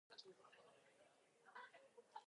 Then the men brought the girls away to be raped.